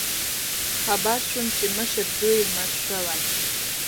خبر شوم چې مشر زوی یې مړ شوی